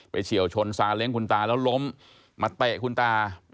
เฉียวชนซาเล้งคุณตาแล้วล้มมาเตะคุณตา